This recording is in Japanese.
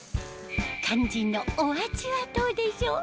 肝心のお味はどうでしょう？